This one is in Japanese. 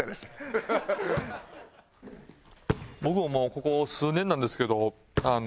僕ももうここ数年なんですけどあの。